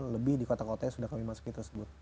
lebih di kota kota yang sudah kami masuki tersebut